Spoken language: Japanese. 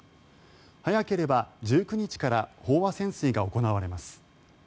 早ければ１９日から飽和潜水が行われます。